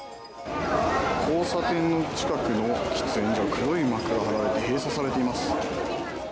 交差点の近くの喫煙所、黒い幕が張られて閉鎖されています。